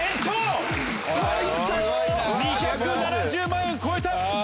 ２７０万円超えた！